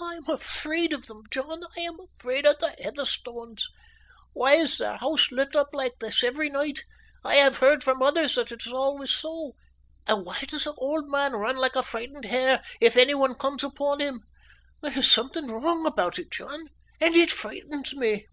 "I am afraid of them, John; I am afraid of the Heatherstones. Why is their house lit up like this every night? I have heard from others that it is always so. And why does the old man run like a frightened hare if any one comes upon him. There is something wrong about it, John, and it frightens me."